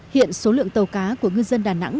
hiện số lượng tàu cá của ngư dân đà nẵng